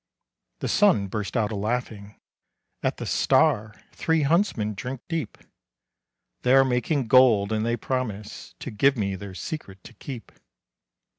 The son bursts out a laughing: "At the 'Star' three huntsmen drink deep; They are making gold, and they promise To give me their secret to keep."